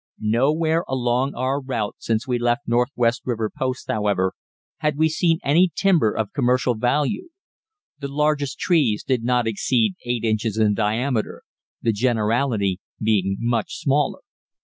Nowhere along our route since we left Northwest River Post, however, had we seen any timber of commercial value; the largest trees did not exceed eight inches in diameter, the generality being much smaller.